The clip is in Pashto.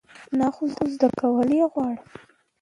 نه، خو زده کول یی غواړم